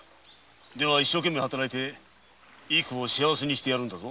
では一生懸命に働いていくを幸せにしてやるんだぞ。